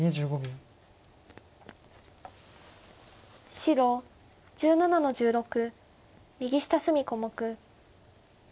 白１７の十六右下隅小目。